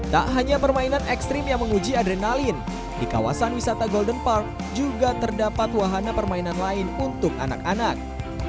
tak hanya permainan ekstrim yang menguji adrenalin di kawasan wisata golden park juga terdapat wahana permainan lain untuk anak anak